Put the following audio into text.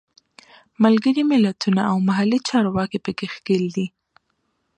ملګري ملتونه او محلي چارواکي په کې ښکېل دي.